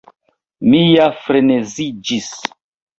Mi ja freneziĝis.